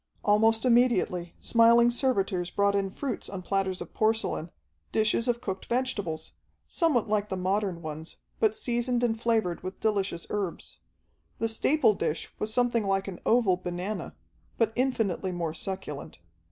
Almost immediately smiling servitors brought in fruits on platters of porcelain, dishes of cooked vegetables, somewhat like the modern ones, but seasoned and flavored with delicious herbs. The staple dish was something like an oval banana, but infinitely more succulent.